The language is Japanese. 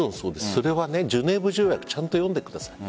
それはジュネーブ条約をちゃんと読んでください。